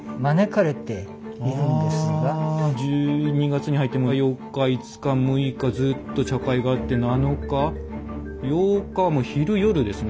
１２月に入って４日５日６日ずっと茶会があって７日８日もう昼夜ですね